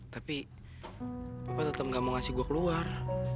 tapi papa tetep gak mau ngasih gua keluar